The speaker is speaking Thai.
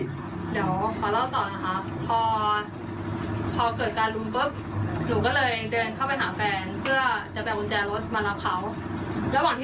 เดี๋ยวขอเล่าต่อนะครับ